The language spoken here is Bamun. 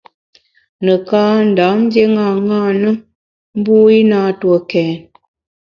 Nekâ Ndam ndié ṅaṅâ na, mbu i na ntue kèn.